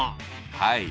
はい。